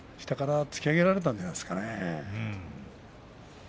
下から突き上げたんじゃないでしょうかね。